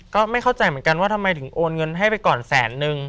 ก็ไม่เข้าใจเหมือนกันว่าทำไมถึงโอนเงินให้ไปก่อนแสนนึง